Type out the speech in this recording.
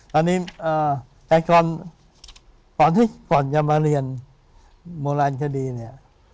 แต่ก่อนจะมาเรียนโมรันคดี